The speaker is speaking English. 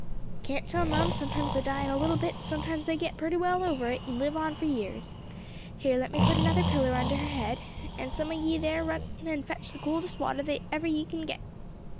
"Can't tell, mum; sometimes they die in a little bit, and sometimes they get purty well over it and live on for years. Here, let me put another pillar under her head, and some o' ye there run and fetch the coldest water that ever ye can git."